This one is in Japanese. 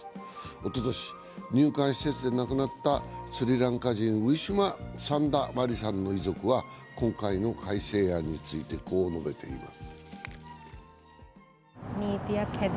おととし入管施設で亡くなったスリランカ人、ウィシュマ・サンダマリさんの遺族は今回の改正案について、こう述べています。